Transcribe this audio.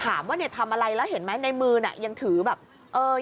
ถามว่าทำอะไรแล้วเห็นไหมในมือนี้ยังถือแบบ